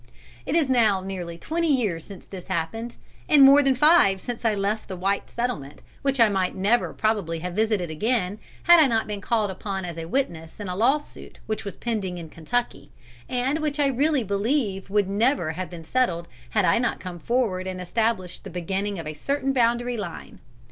"'It is now nearly twenty years since this happened, and more than five since I left the whites' settlement, which I might never probably have visited again, had I not been called upon as a witness in a law suit which was pending in Kentucky, and which I really believe would never have been settled had I not come forward and established the beginning of a certain boundary line.